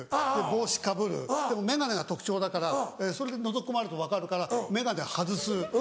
帽子かぶるでも眼鏡が特徴だからそれでのぞき込まれると分かるから眼鏡外す。